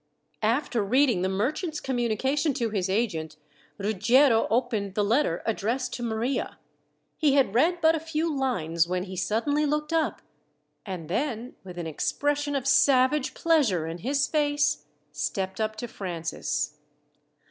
After reading the merchant's communication to his agent, Ruggiero opened the letter addressed to Maria. He had read but a few lines when he suddenly looked up, and then, with an expression of savage pleasure in his face, stepped up to Francis.